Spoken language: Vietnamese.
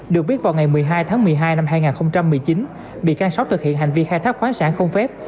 được biết vào ngày một mươi hai tháng một mươi hai năm hai nghìn một mươi chín bị can sáu thực hiện hành vi khai thác khoáng sản không phép